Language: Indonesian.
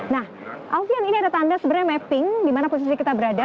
nah alfian ini ada tanda sebenarnya mapping di mana posisi kita berada